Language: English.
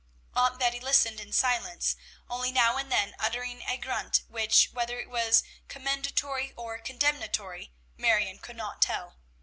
Aunt Betty listened in silence, only now and then uttering a grunt, which, whether it was commendatory or condemnatory, Marion could not tell.